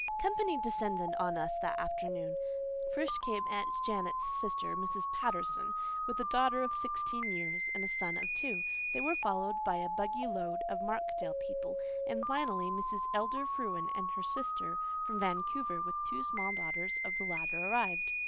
Company descended on us that afternoon. First came Aunt Janet's sister, Mrs. Patterson, with a daughter of sixteen years and a son of two. They were followed by a buggy load of Markdale people; and finally, Mrs. Elder Frewen and her sister from Vancouver, with two small daughters of the latter, arrived.